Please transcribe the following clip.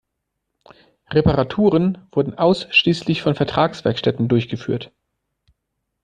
Reparaturen wurden ausschließlich von Vertragswerkstätten durchgeführt.